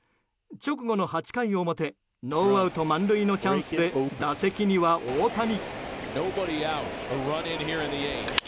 直後の８回表ノーアウト満塁のチャンスで打席には大谷。